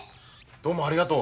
どうもありがとう。